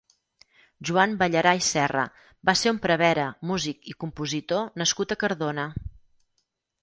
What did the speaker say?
Joan Ballarà i Serra va ser un prevere, músic i compositor nascut a Cardona.